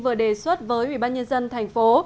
vừa đề xuất với ubnd thành phố